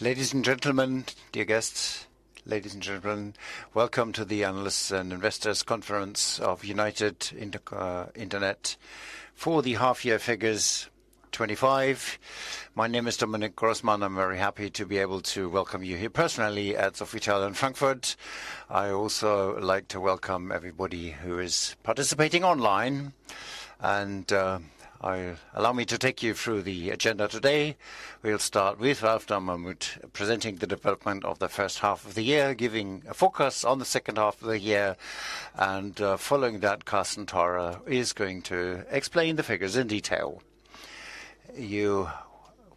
Ladies and gentlemen, dear guests, ladies and gentlemen, welcome to the Analysts and Investors Conference of United Internet for the half-year figures 2025. My name is Dominic Grossman. I'm very happy to be able to welcome you here personally at Sofitel Frankfurt. I also like to welcome everybody who is participating online. Allow me to take you through the agenda today. We'll start with Ralph Dommermuth presenting the development of the first half of the year, giving a focus on the second half of the year. Following that, Carsten Theurer is going to explain the figures in detail. You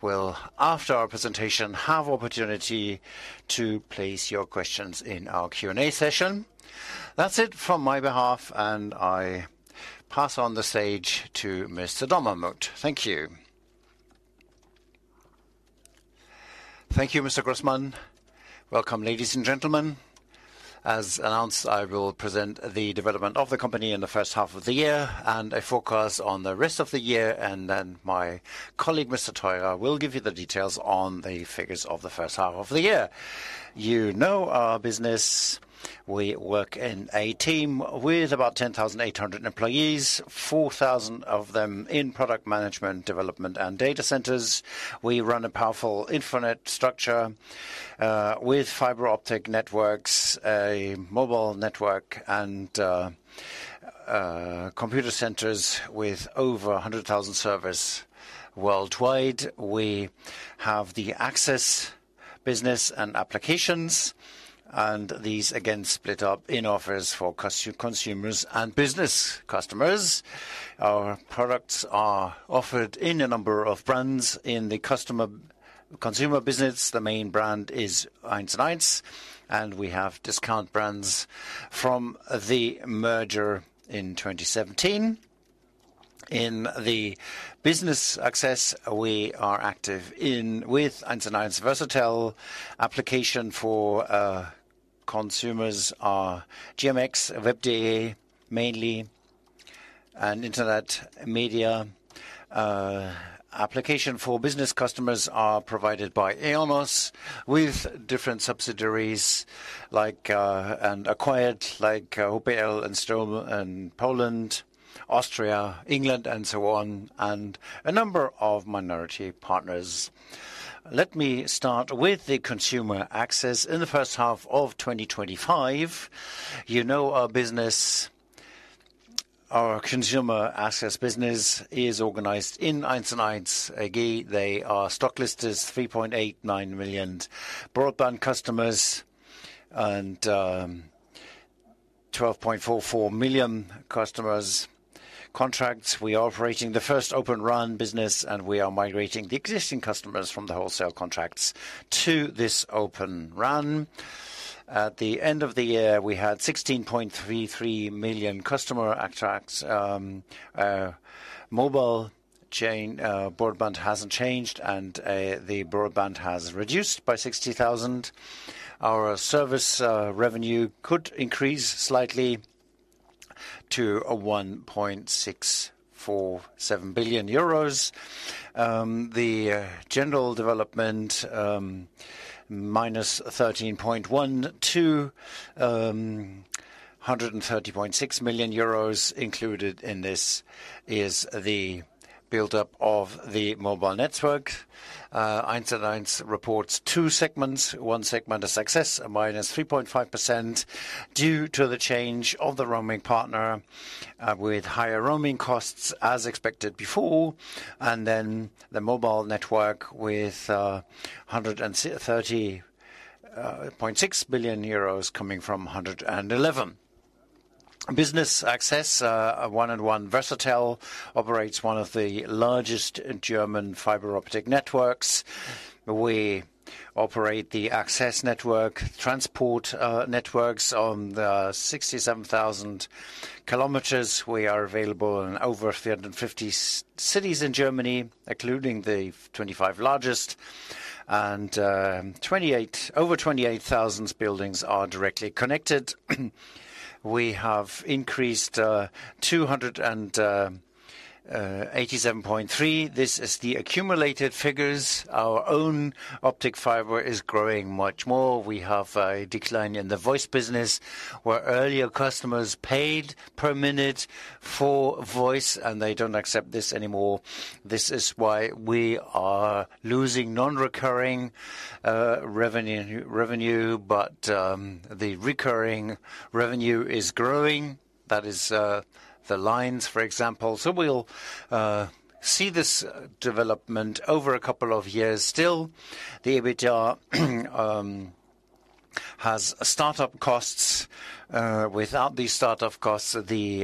will, after our presentation, have the opportunity to place your questions in our Q&A session. That's it from my behalf, and I pass on the stage to Mr. Dommermuth. Thank you. Thank you, Mr. Grossman. Welcome, ladies and gentlemen. As announced, I will present the development of the company in the first half of the year and a focus on the rest of the year. My colleague, Mr. Theurer, will give you the details on the figures of the first half of the year. You know our business. We work in a team with about 10,800 employees, 4,000 of them in product management, development, and data centers. We run a powerful internet structure with fiber optic networks, a mobile network, and computer centers with over 100,000 servers worldwide. We have the access business and applications. These, again, split up in offers for consumers and business customers. Our products are offered in a number of brands. In the consumer business, the main brand is 1&1. We have discount brands from the merger in 2017. In the business access, we are active with 1&1 Versatel. Applications for consumers are GMX, WEB.DE mainly, and internet media. Applications for business customers are provided by IONOS with different subsidiaries and acquired like Arsys and STRATO in Poland, Austria, England, and so on, and a number of minority partners. Let me start with the consumer access in the first half of 2025. You know our business. Our consumer access business is organized in 1&1. Again, there are stocklisters, 3.89 million broadband customers and 12.44 million customers. Contracts, we are operating the first Open RAN business, and we are migrating the existing customers from the wholesale contracts to this Open RAN. At the end of the year, we had 16.33 million customer contracts. Mobile chain broadband hasn't changed, and the broadband has reduced by 60,000. Our service revenue could increase slightly to 1.647 billion euros. The general development -13.12, 130.6 million euros included in this is the buildup of the mobile network. [1&1] reports two segments. One segment is access, a -3.5% due to the change of the roaming partner with higher roaming costs as expected before. The mobile network with 130.6 million euros coming from 111 million. Business access, 1&1 Versatel operates one of the largest German fiber optic networks. We operate the access network, transport networks on the 67,000 km. We are available in over 350 cities in Germany, including the 25 largest. Over 28,000 buildings are directly connected. We have increased 287.3. This is the accumulated figures. Our own optic fiber is growing much more. We have a decline in the voice business where earlier customers paid per minute for voice, and they don't accept this anymore. This is why we are losing non-recurring revenue, but the recurring revenue is growing. That is the lines, for example. We will see this development over a couple of years still. The [ABTR] has startup costs. Without the startup costs, the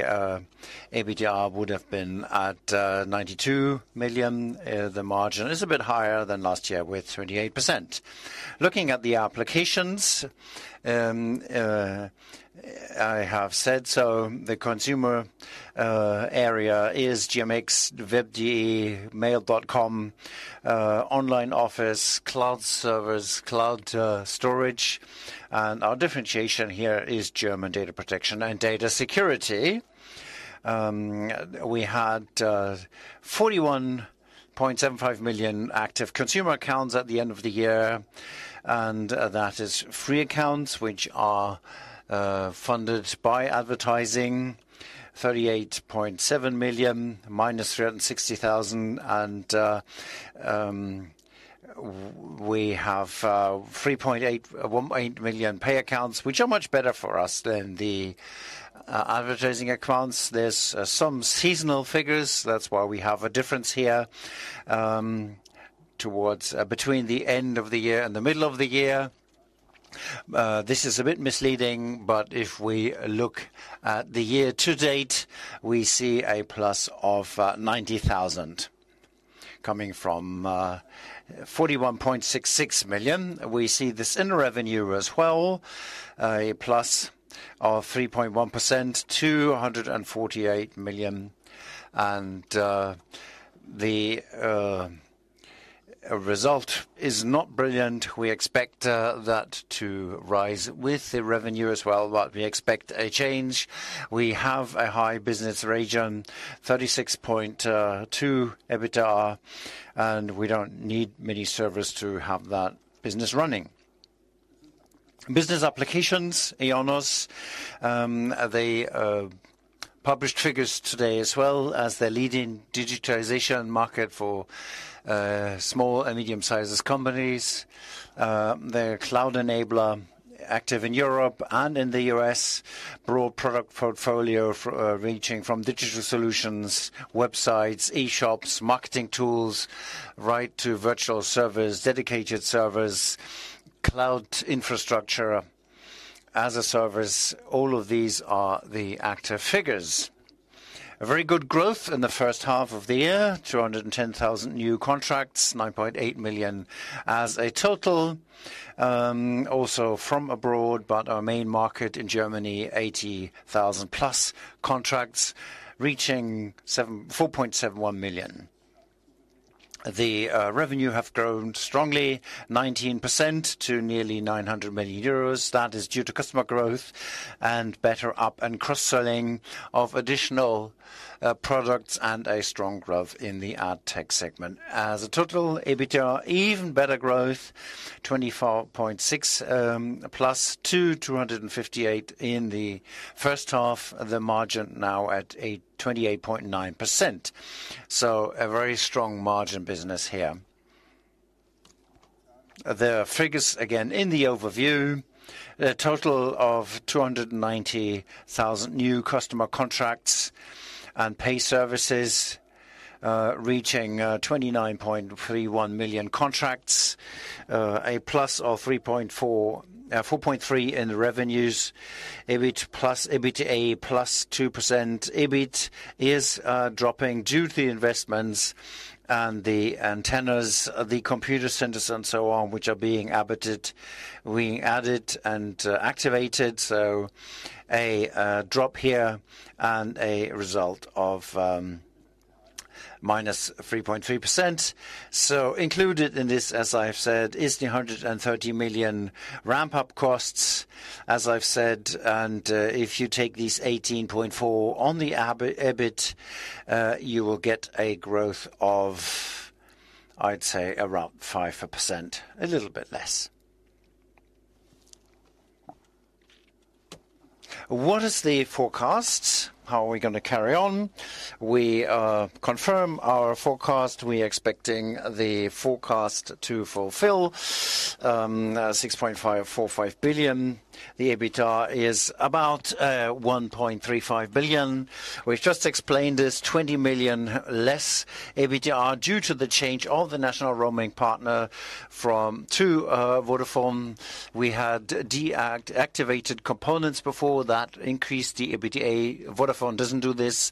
[ABTR] would have been at 92 million. The margin is a bit higher than last year with 28%. Looking at the applications, I have said so. The consumer area is GMX, WEB.DE, mail.com, online office, cloud servers, cloud storage. Our differentiation here is German data protection and data security. We had 41.75 million active consumer accounts at the end of the year. That is free accounts, which are funded by advertising, 38.7 million minus 360,000. We have 3.8 million pay accounts, which are much better for us than the advertising accounts. There are some seasonal figures. That is why we have a difference here between the end of the year and the middle of the year. This is a bit misleading, but if we look at the year-to-date, we see a plus of 90,000 coming from 41.66 million. We see this in revenue as well, a plus of 3.1%, EUR 248 million. The result is not brilliant. We expect that to rise with the revenue as well, but we expect a change. We have a high business region, 36.2 EBITDA, and we don't need many servers to have that business running. Business applications, IONOS, they published figures today as well as the leading digitization market for small and medium-sized companies. They're a cloud enabler, active in Europe and in the U.S. Broad product portfolio ranging from digital solutions, websites, e-shops, marketing tools, right to virtual servers, dedicated servers, cloud infrastructure as a service. All of these are the active figures. Very good growth in the first half of the year, 210,000 new contracts, 9.8 million as a total. Also from abroad, but our main market in Germany, 80,000+ contracts, reaching 4.71 million. The revenue has grown strongly, 19% to nearly 900 million euros. That is due to customer growth and better up and cross-selling of additional products and a strong growth in the ad tech segment. As a total, [EBITDA] even better growth, 24.6%+ to 258 in the first half. The margin now at 28.9%. A very strong margin business here. Their figures, again, in the overview. A total of 290,000 new customer contracts and pay services reaching 29.31 million contracts. A plus of 4.3% in revenues. EBIT plus [EBITDA] plus 2%. EBIT is dropping due to the investments and the antennas, the computer centers, and so on, which are being added and activated. A drop here and a result of -3.3%. Included in this, as I've said, is the 130 million ramp-up costs, as I've said. If you take these 18.4 on the EBIT, you will get a growth of, I'd say, around 5%, a little bit less. What is the forecast? How are we going to carry on? We confirm our forecast. We are expecting the forecast to fulfill 6.545 billion. The EBITDA is about 1.35 billion. We've just explained this: 20 million less EBITDA due to the change of the national roaming partner to Vodafone. We had deactivated components before that increased the EBITDA. Vodafone doesn't do this,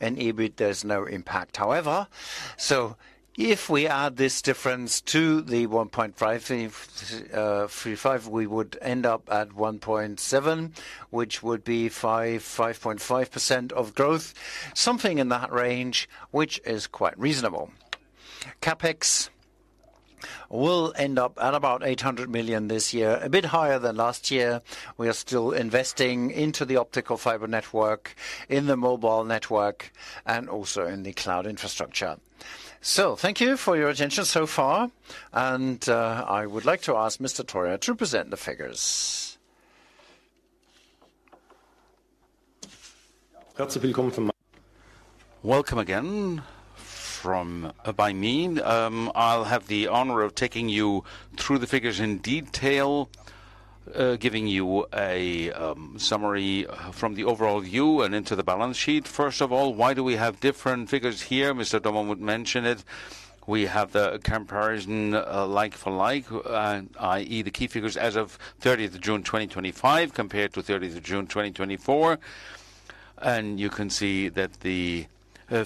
and EBIT, there's no impact, however. If we add this difference to the 1.535 billion, we would end up at 1.7 billion, which would be 5.5% of growth, something in that range, which is quite reasonable. CapEx will end up at about 800 million this year, a bit higher than last year. We are still investing into the fiber optic network, in the mobile network, and also in the cloud infrastructure. Thank you for your attention so far. I would like to ask Mr. Theurer to present the figures. Welcome again from by me. I'll have the honor of taking you through the figures in detail, giving you a summary from the overall view and into the balance sheet. First of all, why do we have different figures here? Mr. Dommermuth mentioned it. We have the comparison like for like, i.e., the key figures as of June 30, 2025 compared to June 30, 2024. You can see that the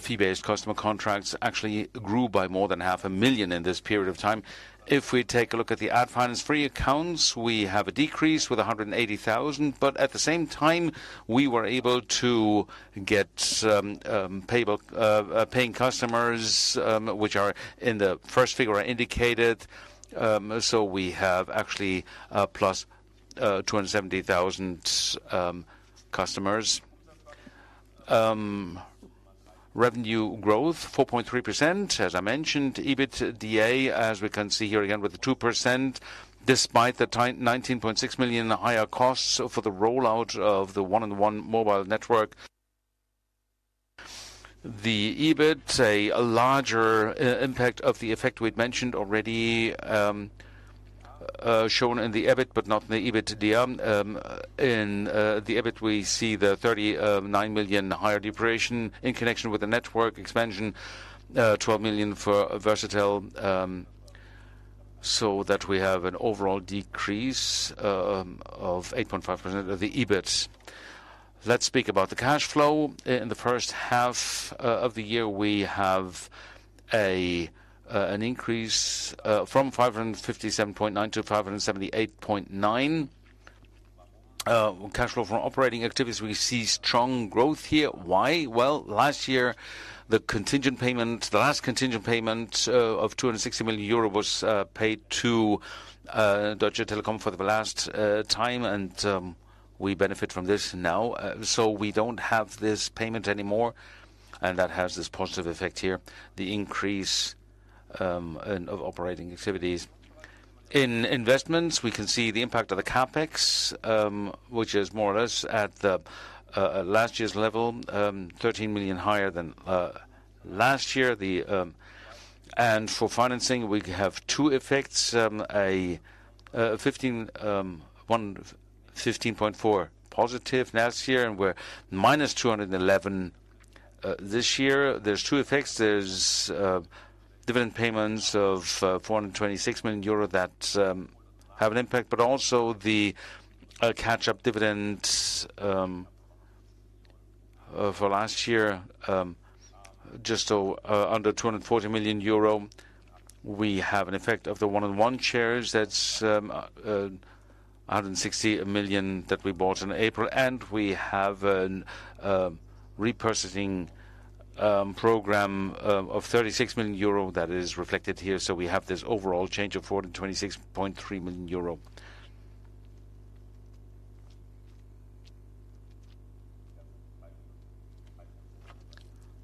fee-based customer contracts actually grew by more than half a million in this period of time. If we take a look at the ad finance free accounts, we have a decrease with 180,000. At the same time, we were able to get paying customers, which are in the first figure indicated. We have actually +270,000 customers. Revenue growth, 4.3%, as I mentioned. EBITDA, as we can see here again with the 2%, despite the 19.6 million higher costs for the rollout of the 1&1 mobile network. The EBIT, a larger impact of the effect we mentioned already shown in the EBIT, but not in the EBITDA. In the EBIT, we see the 39 million higher depreciation in connection with the network expansion, 12 million for Versatel. We have an overall decrease of 8.5% of the EBIT. Let's speak about the cash flow. In the first half of the year, we have an increase from 557.9 million to 578.9 million. Cash flow from operating activities, we see strong growth here. Why? Last year, the contingent payment, the last contingent payment of 260 million euro was paid to Deutsche Telekom for the last time, and we benefit from this now. We don't have this payment anymore, and that has this positive effect here, the increase in operating activities. In investments, we can see the impact of the CapEx, which is more or less at the last year's level, 13 million higher than last year. For financing, we have two effects. A 15.4 million positive last year, and we're -211 million this year. There's two effects. There's dividend payments of 426 million euro that have an impact, but also the catch-up dividends for last year, just under 240 million euro. We have an effect of the 1&1 shares. That's 160 million that we bought in April. We have a repurchasing program of 36 million euro that is reflected here. We have this overall change of 426.3 million euro.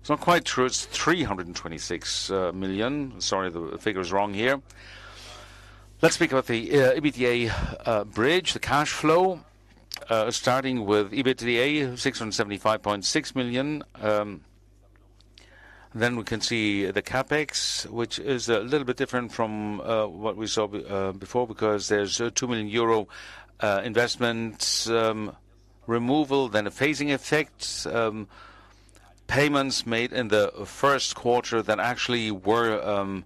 It's not quite true. It's 326 million. Sorry, the figure is wrong here. Let's speak about the EBITDA bridge, the cash flow, starting with EBITDA, 675.6 million. We can see the CapEx, which is a little bit different from what we saw before because there's a 2 million euro investment removal, then a phasing effect. Payments made in the first quarter that actually were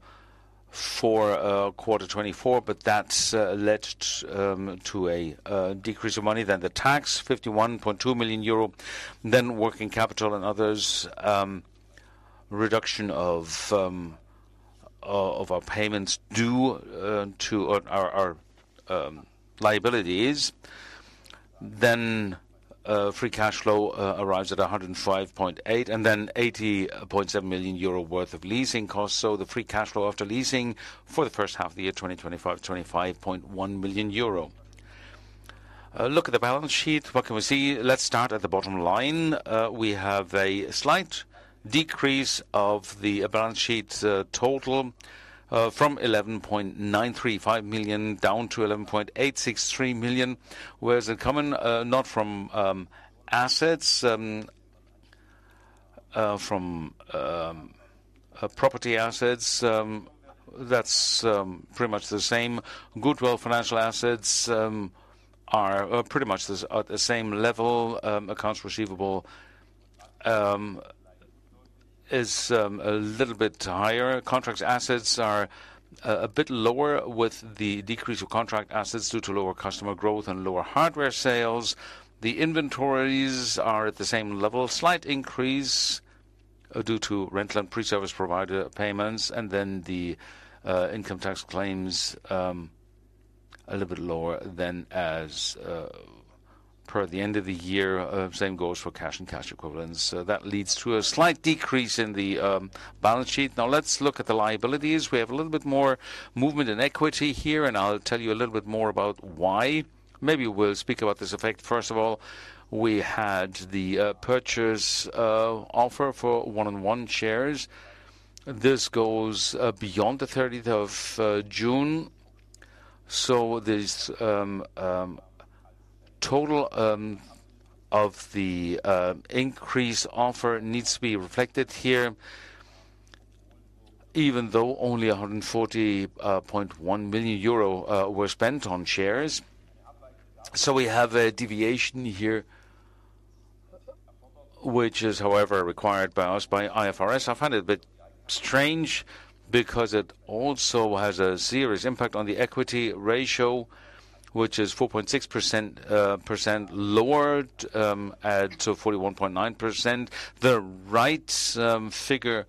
for quarter 2024, but that led to a decrease of money, then the tax, 51.2 million euro. Then working capital and others, reduction of our payments due to our liabilities. Free cash flow arrives at 105.8 million, and then 80.7 million euro worth of leasing costs. The free cash flow after leasing for the first half of the year 2025 is 25.1 million euro. Look at the balance sheet. What can we see? Let's start at the bottom line. We have a slight decrease of the balance sheet total from 11,935 million down to 11,863 million. Where is it coming? Not from assets, from property assets. That's pretty much the same. Goodwill financial assets are pretty much at the same level. Accounts receivable is a little bit higher. Contract assets are a bit lower with the decrease of contract assets due to lower customer growth and lower hardware sales. The inventories are at the same level, slight increase due to rental and pre-service provider payments. The income tax claims are a little bit lower than as per the end of the year. Same goes for cash and cash equivalents. That leads to a slight decrease in the balance sheet. Now let's look at the liabilities. We have a little bit more movement in equity here, and I'll tell you a little bit more about why. Maybe we'll speak about this effect. First of all, we had the purchase offer for 1&1 shares. This goes beyond the 30th of June. The total of the increased offer needs to be reflected here, even though only 140.1 million euro were spent on shares. We have a deviation here, which is, however, required by us by IFRS. I find it a bit strange because it also has a serious impact on the equity ratio, which is 4.6% lowered at 41.9%. The right figure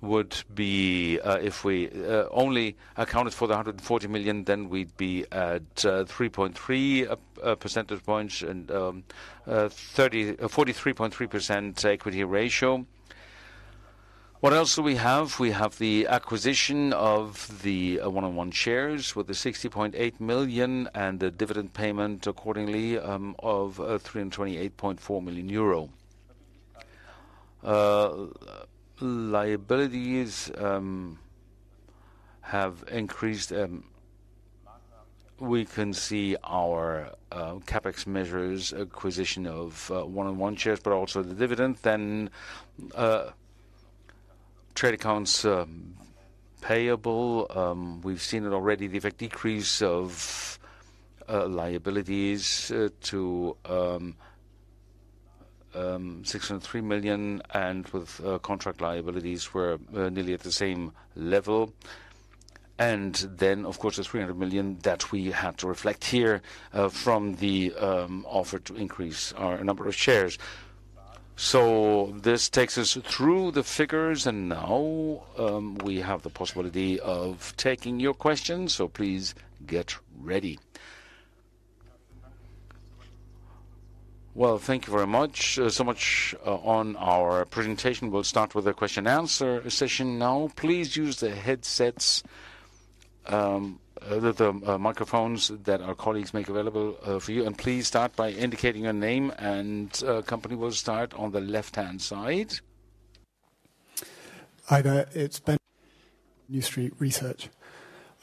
would be if we only accounted for the 140 million, then we'd be at 3.3 percentage points and 43.3% equity ratio. What else do we have? We have the acquisition of the 1&1 shares with the 60.8 million and the dividend payment accordingly of 328.4 million euro. Liabilities have increased. We can see our CapEx measures, acquisition of 1&1 shares, but also the dividend. Trade accounts payable, we've seen it already, the effect decrease of liabilities to 603 million. With contract liabilities, we're nearly at the same level. Of course, the 300 million that we had to reflect here from the offer to increase our number of shares. This takes us through the figures, and now we have the possibility of taking your questions. Please get ready. Thank you very much. That is our presentation. We'll start with a question and answer session now. Please use the headsets, the microphones that our colleagues make available for you, and please start by indicating your name and company. We'll start on the left-hand side. Hi, there. It's Ben from New Street Research.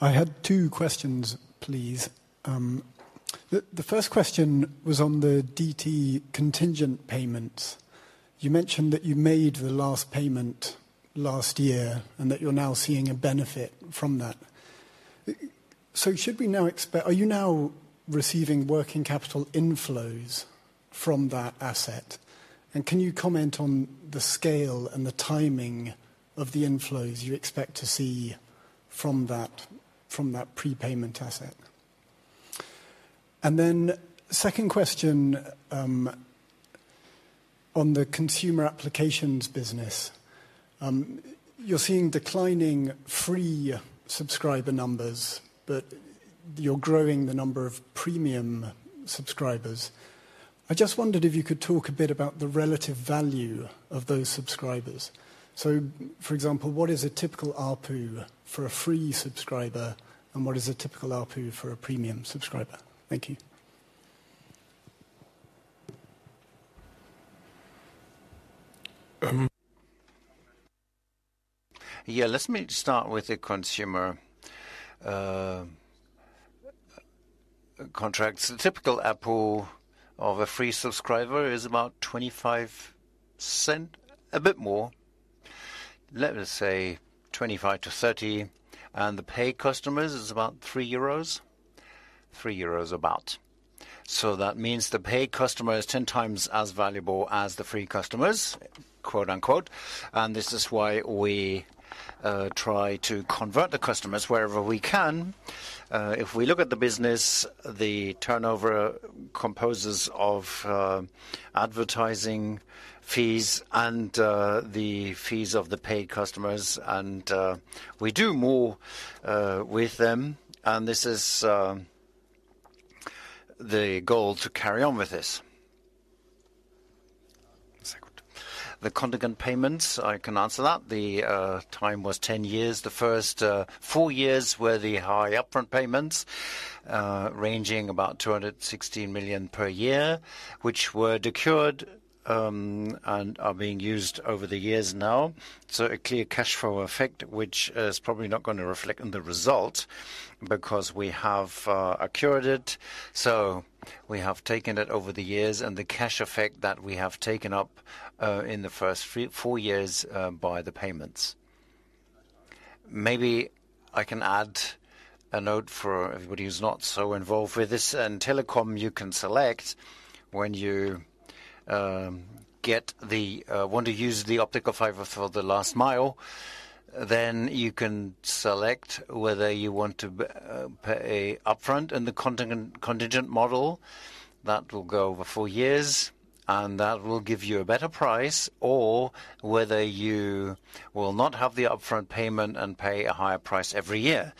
I had two questions, please. The first question was on the DT contingent payments. You mentioned that you made the last payment last year and that you're now seeing a benefit from that. Should we now expect, are you now receiving working capital inflows from that asset? Can you comment on the scale and the timing of the inflows you expect to see from that prepayment asset? The second question is on the consumer applications business. You're seeing declining free subscriber numbers, but you're growing the number of premium subscribers. I just wondered if you could talk a bit about the relative value of those subscribers. For example, what is a typical ARPU for a free subscriber and what is a typical ARPU for a premium subscriber? Thank you. Yeah, let me start with the consumer contracts. The typical ARPU of a free subscriber is about 0.25, a bit more. Let me say 0.25-0.30. And the pay customers is about 3 euros, 3 euros about. That means the pay customer is 10x as valuable as the free customers, quote unquote. This is why we try to convert the customers wherever we can. If we look at the business, the turnover composes of advertising fees and the fees of the pay customers. We do more with them. This is the goal to carry on with this. The contingent payments, I can answer that. The time was 10 years. The first four years were the high upfront payments, ranging about 216 million per year, which were accrued and are being used over the years now. A clear cash flow effect, which is probably not going to reflect in the result because we have accrued it. We have taken it over the years and the cash effect that we have taken up in the first four years by the payments. Maybe I can add a note for everybody who's not so involved with this. In telecom, you can select when you want to use the fiber optic infrastructure for the last mile. You can select whether you want to pay upfront in the contingent model. That will go over four years, and that will give you a better price, or whether you will not have the upfront payment and pay a higher price every year.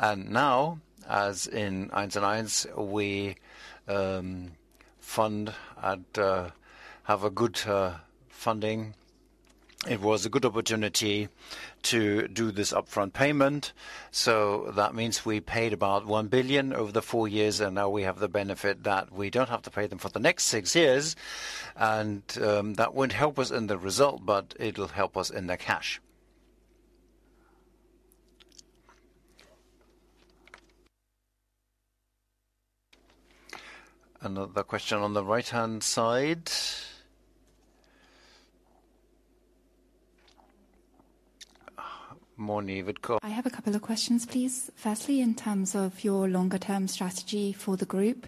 Now, as in [1&1], we fund and have a good funding. It was a good opportunity to do this upfront payment. That means we paid about 1 billion over the four years, and now we have the benefit that we don't have to pay them for the next six years. That won't help us in the result, but it'll help us in the cash. Another question on the right-hand side. Morning, you've had. I have a couple of questions, please. Firstly, in terms of your longer-term strategy for the group,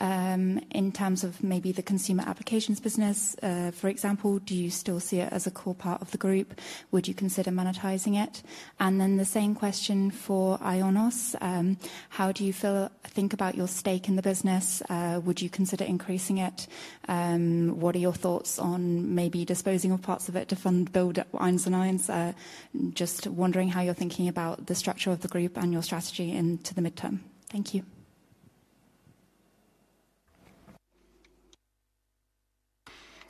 in terms of maybe the consumer applications business, for example, do you still see it as a core part of the group? Would you consider monetizing it? The same question for IONOS. How do you think about your stake in the business? Would you consider increasing it? What are your thoughts on maybe disposing of parts of it to fund the build-up for [1&1]? Just wondering how you're thinking about the structure of the group and your strategy into the midterm. Thank you.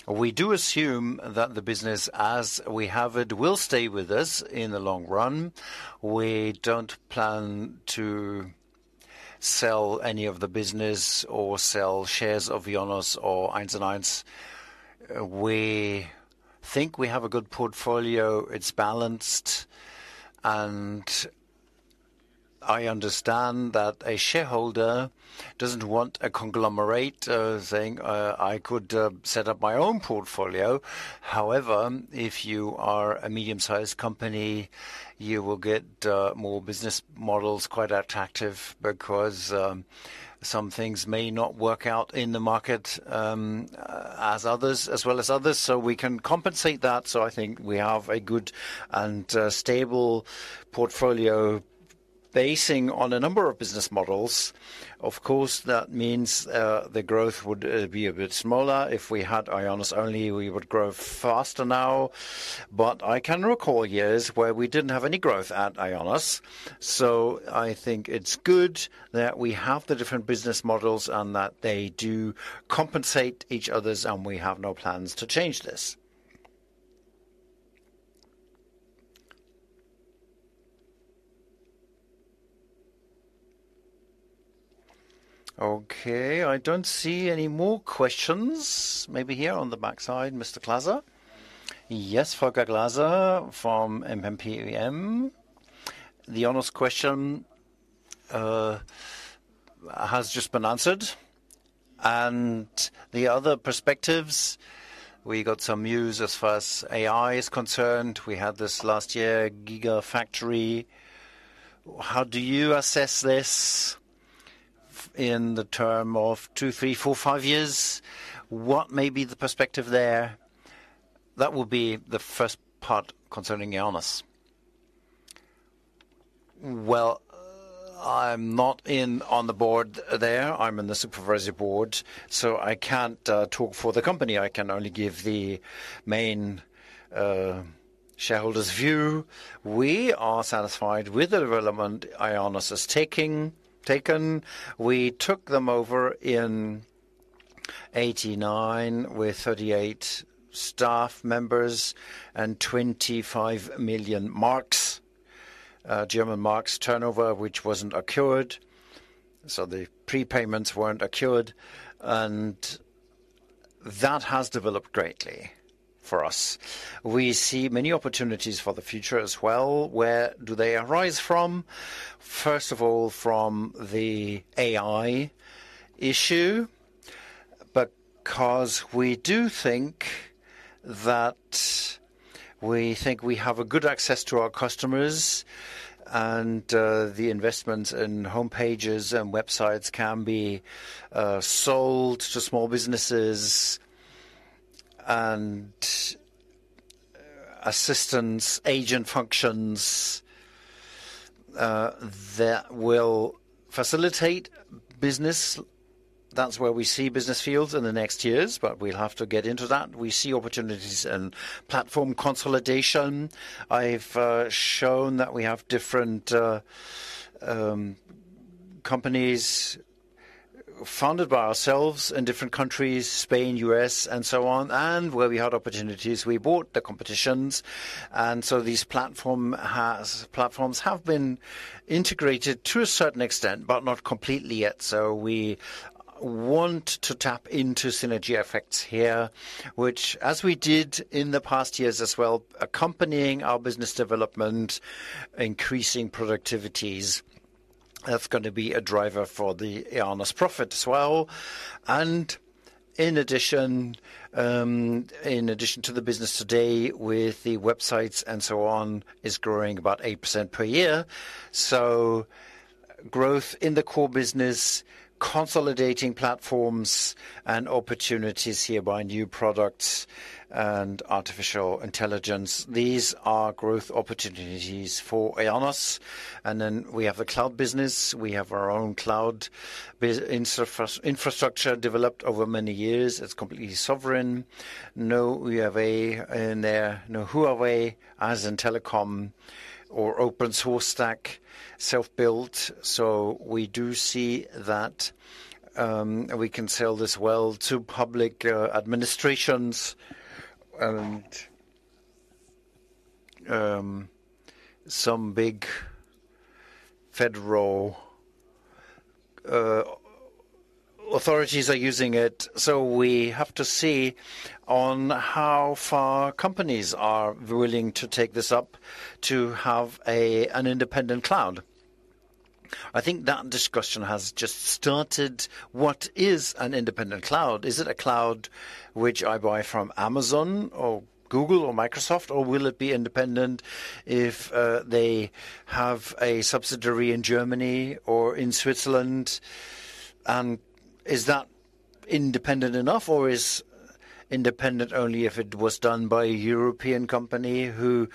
We do assume that the business, as we have it, will stay with us in the long run. We don't plan to sell any of the business or sell shares of IONOS or [1&1]. We think we have a good portfolio. It's balanced. I understand that a shareholder doesn't want a conglomerate saying, "I could set up my own portfolio." However, if you are a medium-sized company, you will get more business models quite attractive because some things may not work out in the market as well as others. We can compensate that. I think we have a good and stable portfolio basing on a number of business models. Of course, that means the growth would be a bit smaller. If we had IONOS only, we would grow faster now. I can recall years where we didn't have any growth at IONOS. I think it's good that we have the different business models and that they do compensate each other's, and we have no plans to change this. Okay, I don't see any more questions. Maybe here on the backside, Mr. Glaser. Yes, Volker Glaser from MPPM. The honest question has just been answered. The other perspectives, we got some news as far as AI is concerned. We had this last year, gigafactory. How do you assess this in the term of two, three, four, five years? What may be the perspective there? That will be the first part concerning IONOS. I'm not on the board there. I'm in the Supervisory Board. I can't talk for the company. I can only give the main shareholder's view. We are satisfied with the development IONOS has taken. We took them over in 1989 with 38 staff members and 25 million German marks turnover, which wasn't accrued so the prepayments weren't accrued. That has developed greatly for us. We see many opportunities for the future as well. Where do they arise from? First of all, from the AI issue, because we do think that we think we have a good access to our customers and the investment in homepages and websites can be sold to small businesses and assistance agent functions that will facilitate business. That's where we see business fields in the next years, but we'll have to get into that. We see opportunities in platform consolidation. I've shown that we have different companies founded by ourselves in different countries, Spain, U.S., and so on. Where we had opportunities, we bought the competitions. These platforms have been integrated to a certain extent, but not completely yet. We want to tap into synergy effects here, which, as we did in the past years as well, accompany our business development, increasing productivities. That is going to be a driver for the IONOS profit as well. In addition to the business today with the websites and so on, it is growing about 8% per year. Growth in the core business, consolidating platforms, and opportunities here by new products and artificial intelligence. These are growth opportunities for IONOS. We have the cloud business. We have our own cloud infrastructure developed over many years. It is completely sovereign. No UAV in there, no Huawei, as in telecom or open source stack, self-built. We do see that we can sell this well to public administrations, and some big federal authorities are using it. We have to see how far companies are willing to take this up to have an independent cloud. I think that discussion has just started. What is an independent cloud? Is it a cloud which I buy from Amazon or Google or Microsoft, or will it be independent if they have a subsidiary in Germany or in Switzerland? Is that independent enough, or is it independent only if it was done by a European company who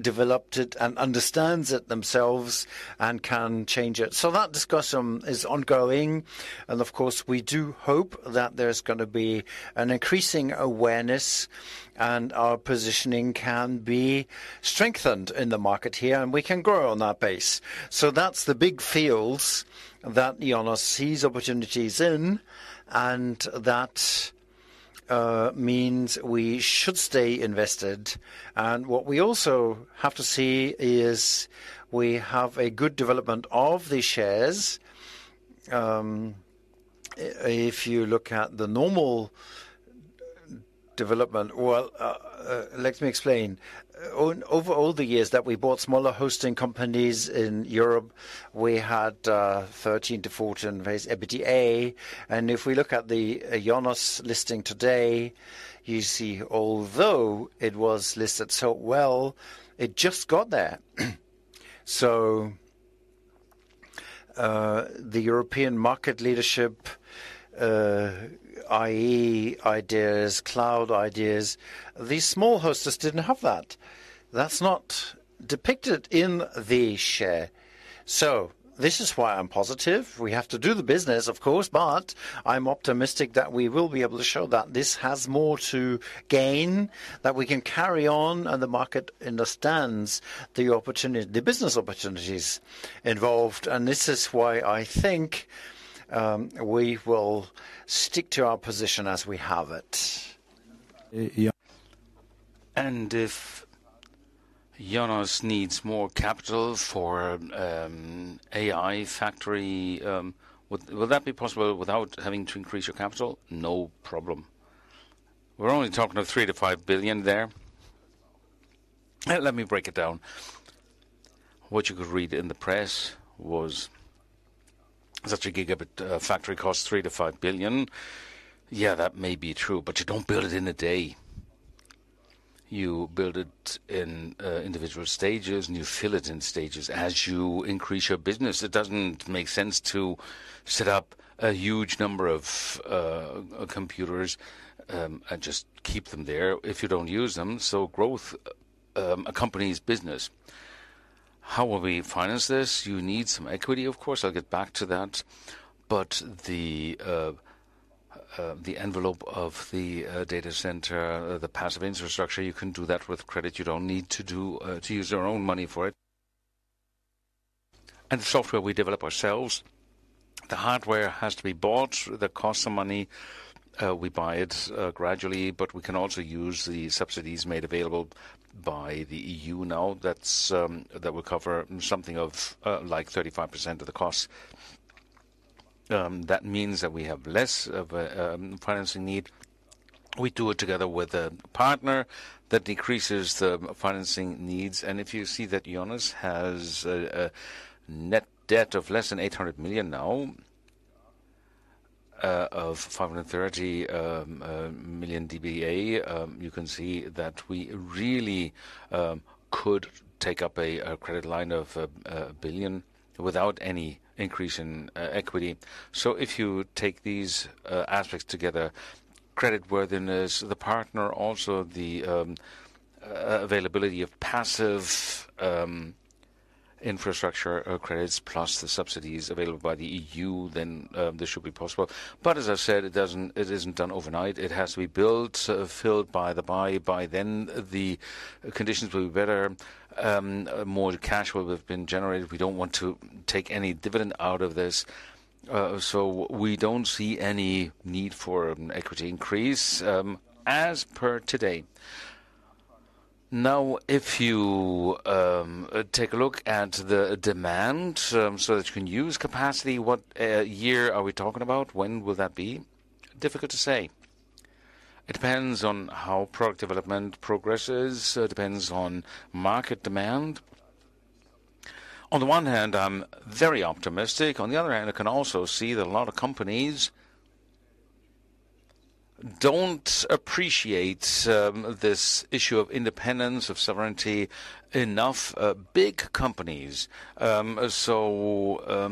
developed it and understands it themselves and can change it? That discussion is ongoing. Of course, we do hope that there is going to be an increasing awareness and our positioning can be strengthened in the market here, and we can grow on that base. That is the big field that IONOS sees opportunities in, and that means we should stay invested. We also have to see we have a good development of the shares. If you look at the normal development, let me explain. Over all the years that we bought smaller hosting companies in Europe, we had 13-14 [base] EBITDA. If we look at the IONOS listing today, you see, although it was listed so well, it just got there. The European market leadership, i.e., ideas, cloud ideas, these small hosters did not have that. That is not depicted in the share. This is why I am positive. We have to do the business, of course, but I am optimistic that we will be able to show that this has more to gain, that we can carry on, and the market understands the business opportunities involved. This is why I think we will stick to our position as we have it. If IONOS needs more capital for AI factory, would that be possible without having to increase your capital? No problem. We're only talking of 3 billion-5 billion there. Let me break it down. What you could read in the press was that a gigabit factory costs 3 billion-5 billion. That may be true, but you don't build it in a day. You build it in individual stages, and you fill it in stages as you increase your business. It doesn't make sense to set up a huge number of computers and just keep them there if you don't use them. Growth accompanies business. How will we finance this? You need some equity, of course. I'll get back to that. The envelope of the data center, the passive infrastructure, you can do that with credit. You don't need to use your own money for it. The software we develop ourselves, the hardware has to be bought. That costs some money. We buy it gradually, but we can also use the subsidies made available by the EU now that will cover something like 35% of the cost. That means that we have less of a financing need. We do it together with a partner that decreases the financing needs. If you see that IONOS has a net debt of less than 800 million now, of 530 million EBITDA, you can see that we really could take up a credit line of 1 billion without any increase in equity. If you take these aspects together, creditworthiness, the partner, also the availability of passive infrastructure credits plus the subsidies available by the EU, then this should be possible. As I've said, it isn't done overnight. It has to be built, filled by the buy. By then, the conditions will be better. More cash will have been generated. We don't want to take any dividend out of this. We don't see any need for an equity increase as per today. If you take a look at the demand so that you can use capacity, what year are we talking about? When will that be? Difficult to say. It depends on how product development progresses. It depends on market demand. On the one hand, I'm very optimistic. On the other hand, I can also see that a lot of companies don't appreciate this issue of independence, of sovereignty, enough big companies. Take a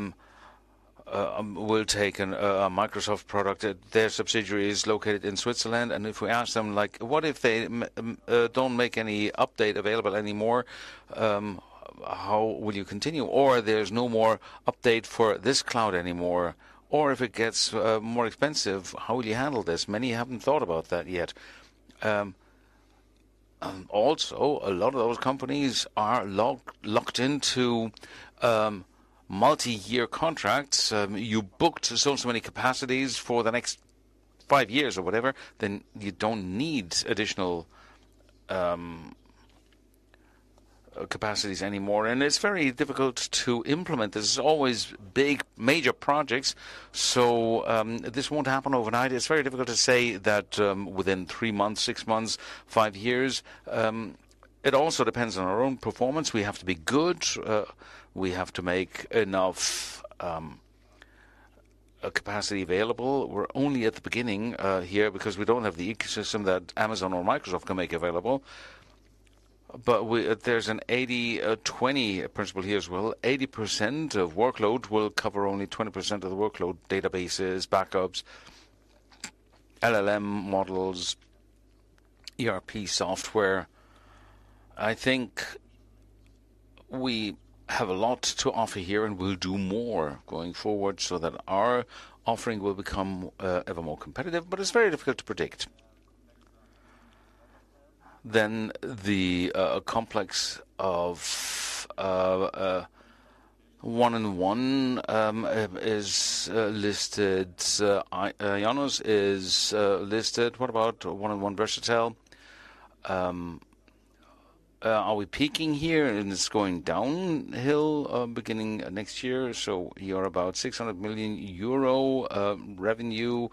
Microsoft product. Their subsidiary is located in Switzerland. If we ask them, like, what if they don't make any update available anymore? How will you continue? Or there's no more update for this cloud anymore. Or if it gets more expensive, how will you handle this? Many haven't thought about that yet. Also, a lot of those companies are locked into multi-year contracts. You booked so many capacities for the next five years or whatever, then you don't need additional capacities anymore. It's very difficult to implement. This is always big, major projects. This won't happen overnight. It's very difficult to say that within three months, six months, five years. It also depends on our own performance. We have to be good. We have to make enough capacity available. We're only at the beginning here because we don't have the ecosystem that Amazon or Microsoft can make available. There's an 80/20 principle here as well. 80% of workload will cover only 20% of the workload: databases, backups, LLM models, ERP software. I think we have a lot to offer here, and we'll do more going forward so that our offering will become ever more competitive. It's very difficult to predict. The complex of 1&1 is listed. IONOS is listed. What about 1&1 Versatel? Are we peaking here? It's going downhill beginning next year. You're about 600 million euro revenue,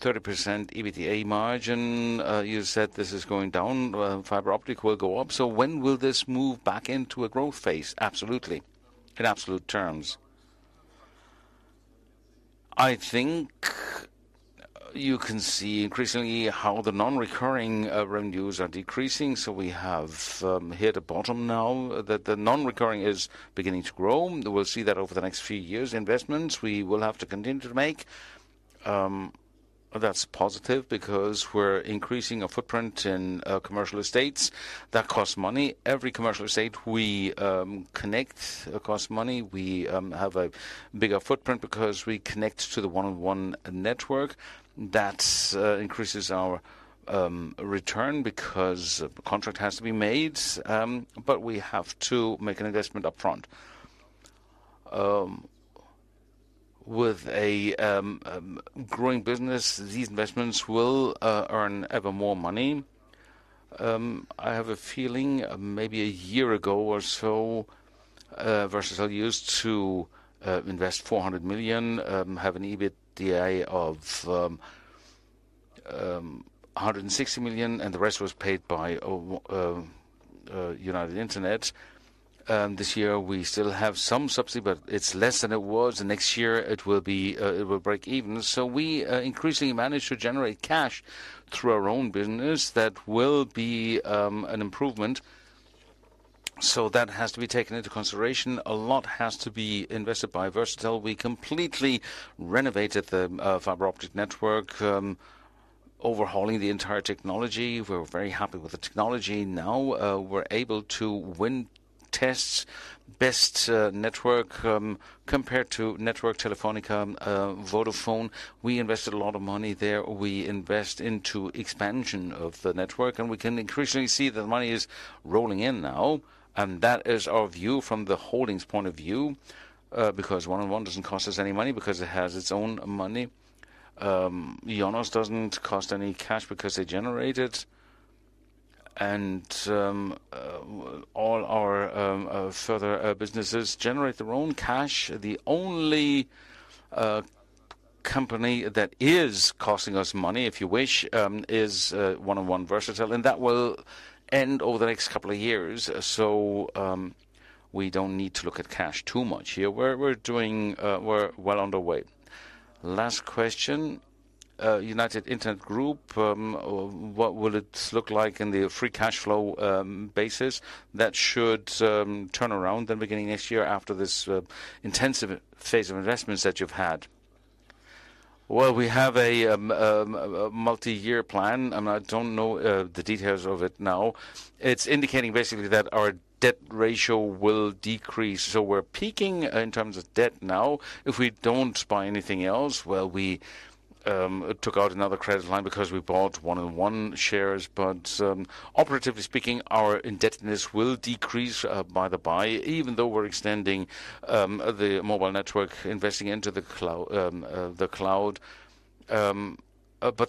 30% EBITDA margin. You said this is going down. Fiber optic will go up. When will this move back into a growth phase? Absolutely. In absolute terms, I think you can see increasingly how the non-recurring revenues are decreasing. We have here at the bottom now that the non-recurring is beginning to grow. We'll see that over the next few years. Investments, we will have to continue to make. That's positive because we're increasing our footprint in commercial estates. That costs money. Every commercial estate we connect costs money. We have a bigger footprint because we connect to the 1&1 network. That increases our return because the contract has to be made. We have to make an investment upfront. With a growing business, these investments will earn ever more money. I have a feeling maybe a year ago or so, Versatel used to invest 400 million, have an EBITDA of 160 million, and the rest was paid by United Internet. This year, we still have some subsidy, but it's less than it was. Next year, it will break even. We increasingly manage to generate cash through our own business. That will be an improvement. That has to be taken into consideration. A lot has to be invested by Versatel. We completely renovated the fiber optic network, overhauling the entire technology. We're very happy with the technology. Now we're able to win tests, best network compared to network Telefónica, Vodafone. We invested a lot of money there. We invest into expansion of the network, and we can increasingly see that the money is rolling in now. That is our view from the holdings point of view because 1&1 doesn't cost us any money because it has its own money. IONOS doesn't cost any cash because they generate it. All our further businesses generate their own cash. The only company that is costing us money, if you wish, is 1&1 Versatel. That will end over the next couple of years. We don't need to look at cash too much here. We're well underway. Last question. United Internet Group, what will it look like in the free cash flow basis that should turn around the beginning of this year after this intensive phase of investments that you've had? We have a multi-year plan, and I don't know the details of it now. It's indicating basically that our debt ratio will decrease. We're peaking in terms of debt now. If we don't buy anything else, we took out another credit line because we bought 1&1 shares. Operatively speaking, our indebtedness will decrease by the by, even though we're extending the mobile network investing into the cloud.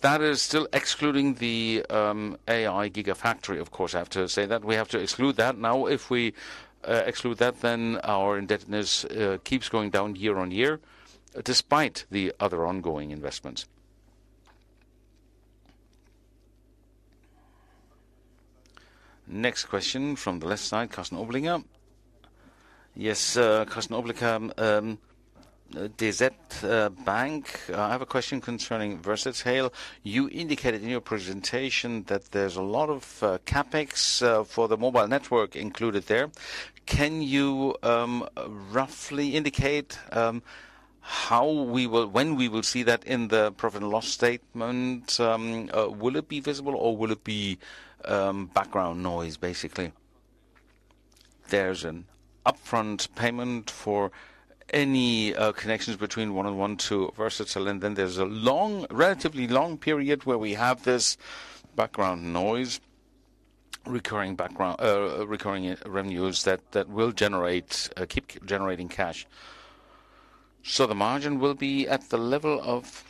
That is still excluding the AI gigafactory, of course, I have to say that. We have to exclude that. If we exclude that, then our indebtedness keeps going down year on year despite the other ongoing investments. Next question from the left side, Carsten Obelinker. Yes, Carsten Obelinker, DZ Bank. I have a question concerning Versatel. You indicated in your presentation that there's a lot of CapEx for the mobile network included there. Can you roughly indicate when we will see that in the profit and loss statement? Will it be visible or will it be background noise, basically? There's an upfront payment for any connections between 1&1 to Versatel. Then there's a long, relatively long period where we have this background noise, recurring revenues that will keep generating cash. The margin will be at the level of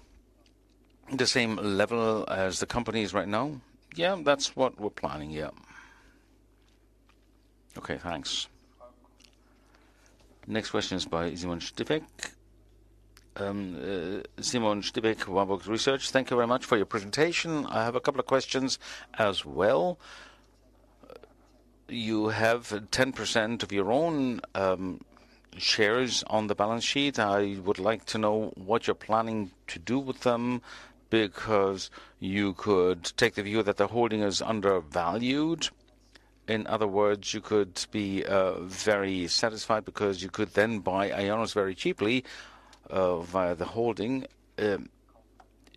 the same level as the company is right now? Yeah, that's what we're planning. Yeah. Okay, thanks. Next question is by Simon Stippig. Simon Stippig, Warburg Research. Thank you very much for your presentation. I have a couple of questions as well. You have 10% of your own shares on the balance sheet. I would like to know what you're planning to do with them because you could take the view that the holding is undervalued. In other words, you could be very satisfied because you could then buy IONOS very cheaply via the holding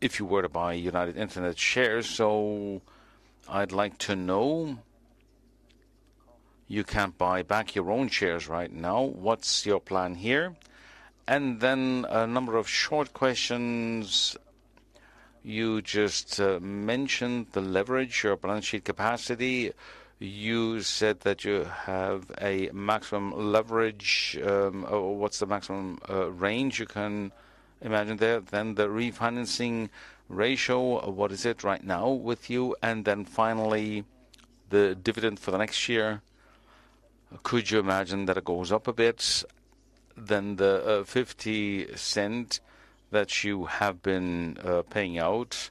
if you were to buy United Internet shares. I'd like to know. You can't buy back your own shares right now. What's your plan here? A number of short questions. You just mentioned the leverage, your balance sheet capacity. You said that you have a maximum leverage. What's the maximum range you can imagine there? The refinancing ratio, what is it right now with you? Finally, the dividend for the next year. Could you imagine that it goes up a bit? The 0.50 that you have been paying out,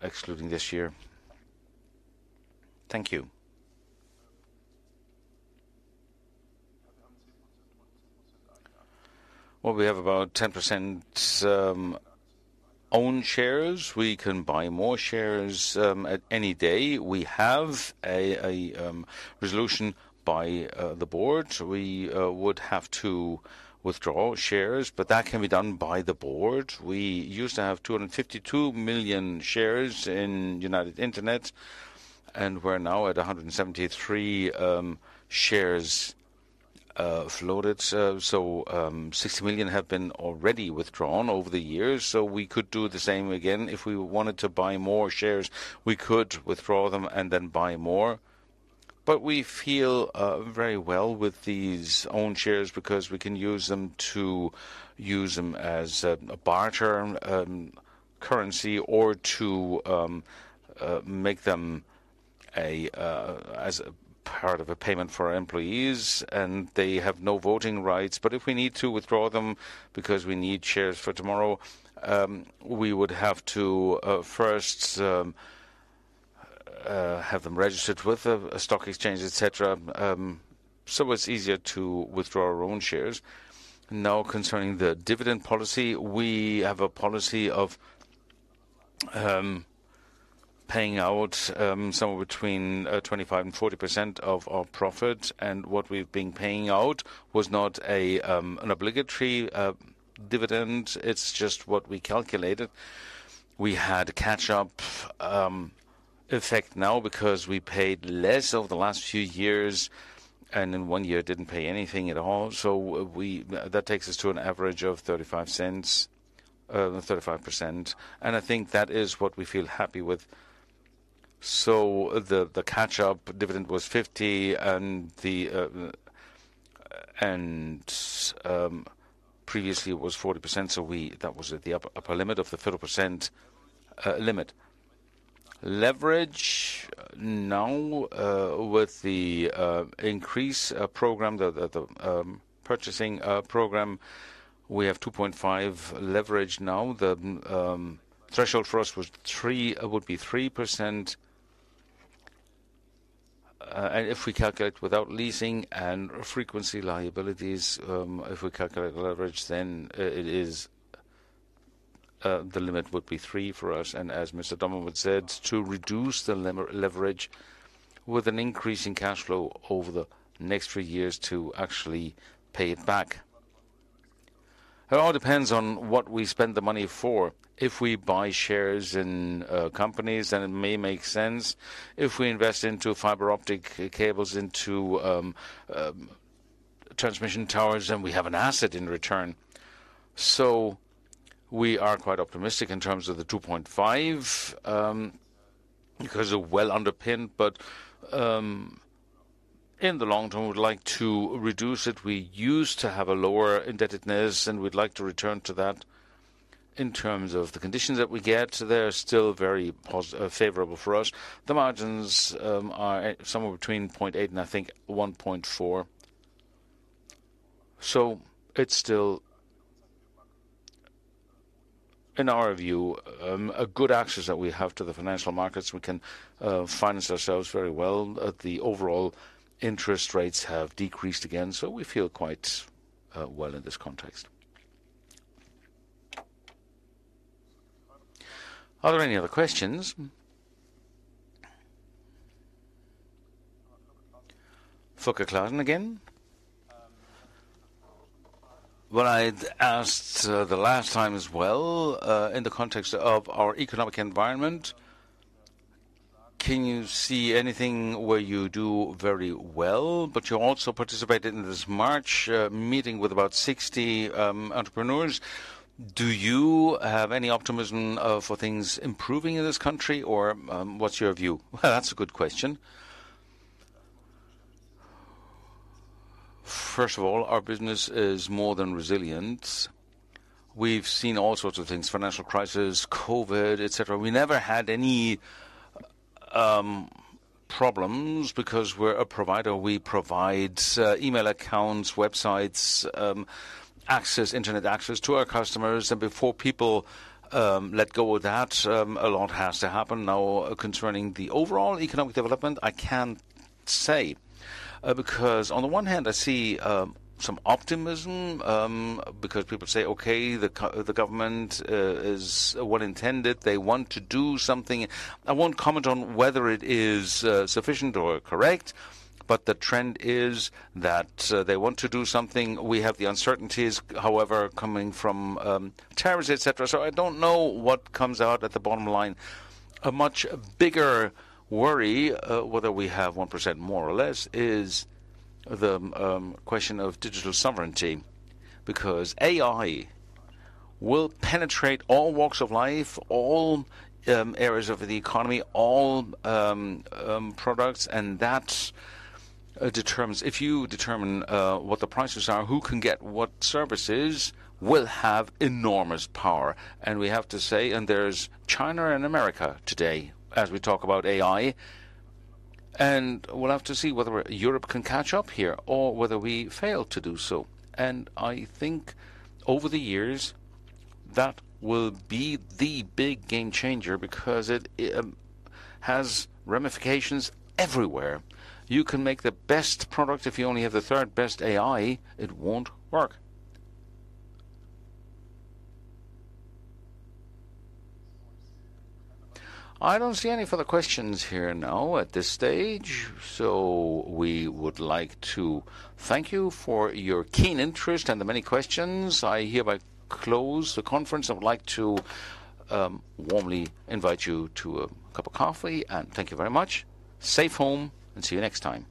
excluding this year. Thank you. We have about 10% owned shares. We can buy more shares at any day. We have a resolution by the board. We would have to withdraw shares, but that can be done by the board. We used to have 252 million shares in United Internet, and we're now at 173 million shares floated. 60 million have been already withdrawn over the years. We could do the same again. If we wanted to buy more shares, we could withdraw them and then buy more. We feel very well with these owned shares because we can use them as a barter currency or to make them as part of a payment for our employees. They have no voting rights. If we need to withdraw them because we need shares for tomorrow, we would have to first have them registered with a stock exchange, etc. It's easier to withdraw our own shares. Now, concerning the dividend policy, we have a policy of paying out somewhere between 25% and 40% of our profits. What we've been paying out was not an obligatory dividend. It's just what we calculated. We had a catch-up effect now because we paid less over the last few years, and in one year, didn't pay anything at all. That takes us to an average of 35%. I think that is what we feel happy with. The catch-up dividend was 50%, and previously, it was 40%. That was at the upper limit of the 30% limit. Leverage now, with the increase program, the purchasing program, we have 2.5% leverage now. The threshold for us would be 3%. If we calculate without leasing and frequency liabilities, if we calculate leverage, then the limit would be 3% for us. As Mr. Dommermuth said, to reduce the leverage with an increasing cash flow over the next three years to actually pay it back. It all depends on what we spend the money for. If we buy shares in companies, then it may make sense. If we invest into fiber optic cables, into transmission towers, then we have an asset in return. We are quite optimistic in terms of the 2.5% because it's well underpinned. In the long term, we'd like to reduce it. We used to have a lower indebtedness, and we'd like to return to that in terms of the conditions that we get. They're still very favorable for us. The margins are somewhere between 0.8% and I think 1.4%. It's still, in our view, a good access that we have to the financial markets. We can finance ourselves very well. The overall interest rates have decreased again. We feel quite well in this context. Are there any other questions? Volker Glaser again. I asked the last time as well in the context of our economic environment. Can you see anything where you do very well, but you also participated in this March meeting with about 60 entrepreneurs? Do you have any optimism for things improving in this country, or what's your view? That's a good question. First of all, our business is more than resilient. We've seen all sorts of things: financial crisis, COVID, etc. We never had any problems because we're a provider. We provide email accounts, websites, internet access to our customers. Before people let go of that, a lot has to happen. Now, concerning the overall economic development, I can't say because on the one hand, I see some optimism because people say, "Okay, the government is well-intended. They want to do something." I won't comment on whether it is sufficient or correct, but the trend is that they want to do something. We have the uncertainties, however, coming from tariffs, etc. I don't know what comes out at the bottom line. A much bigger worry, whether we have 1% more or less, is the question of digital sovereignty because AI will penetrate all walks of life, all areas of the economy, all products. That determines, if you determine what the prices are, who can get what services will have enormous power. We have to say, and there's China and America today as we talk about AI. We'll have to see whether Europe can catch up here or whether we fail to do so. I think over the years, that will be the big game changer because it has ramifications everywhere. You can make the best product if you only have the third best AI. It won't work. I don't see any further questions here now at this stage. We would like to thank you for your keen interest and the many questions. I hereby close the conference. I would like to warmly invite you to a cup of coffee, and thank you very much. Safe home, and see you next time.